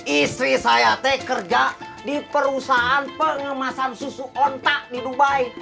istri saya teh kerja di perusahaan pengemasan susu ontak di dubai